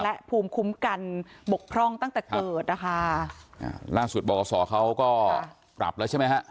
และภูมิคุ้มกันบกพร่องตั้งแต่เกิดนะคะอ่าล่าสุดบขเขาก็ปรับแล้วใช่ไหมฮะ